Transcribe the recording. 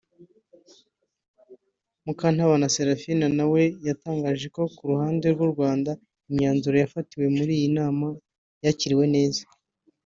Mukantabana Seraphine na we yatangaje ko ku ruhande rw’u Rwanda imyanzuro yafatiwe muri iyi nama yakiriwe neza